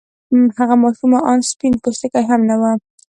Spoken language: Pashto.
هغه ماشومه آن سپين پوستې هم نه وه.